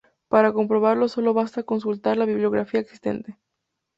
Para comprobarlo solo basta consultar la bibliografía existente.